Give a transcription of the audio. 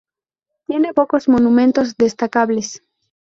Tiene pocos monumentos destacables.